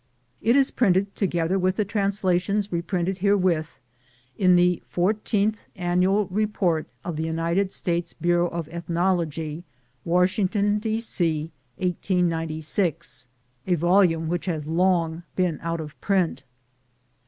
It is printed, together with the translations reprinted herewith, in the Fourteenth Annual Report of the United States Bureau of Ethnology, Washington, D. C, 1896, a volume which has long been out of print.